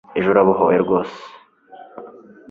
ejo urabohowe rwose